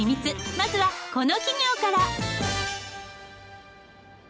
まずはこの企業から。